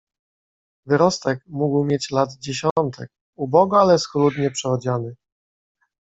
"Wyrostek mógł mieć lat dziesiątek, ubogo ale schludnie przyodziany."